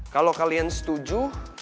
kalau kalian setuju